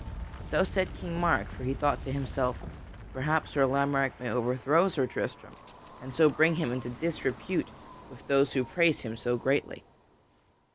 So said King Mark, for he thought to himself: "Perhaps Sir Lamorack may overthrow Sir Tristram, and so bring him into disrepute with those who praise him so greatly."